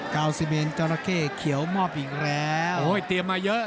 ก้าวที่เบียนกำลังแค่เขียวมอบอีกแล้วโอ้ยเตรียมมาเยอะ